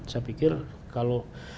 saya pikir kalau